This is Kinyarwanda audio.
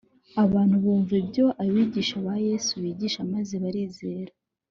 abantu bumva ibyo abigishwa ba yesu bigishaga, maze barizera